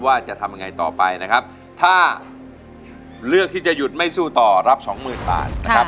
ว่าจะทำยังไงต่อไปนะครับถ้าเลือกที่จะหยุดไม่สู้ต่อรับสองหมื่นบาทนะครับ